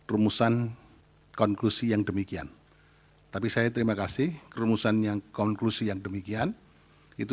rumusan konklusi yang demikian tapi saya terima kasih rumusan yang konklusi yang demikian itu